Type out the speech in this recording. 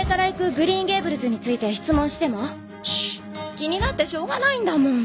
気になってしょうがないんだもん。